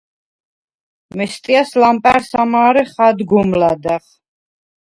მესტიას ლამპა̈რს ამა̄რეხ ადგომ ლადა̈ღ.